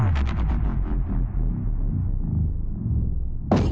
あっ！